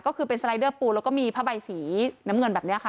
ก็คือเป็นสไลเดอร์ปูแล้วก็มีผ้าใบสีน้ำเงินแบบนี้ค่ะ